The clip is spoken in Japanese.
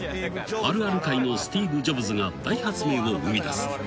あるある界のスティーブ・ジョブズが大発明を生みだす。